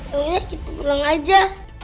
ya udah kita pulang aja